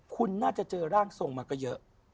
คุณน่าจะเจอร่างทรงมาก็เยอะ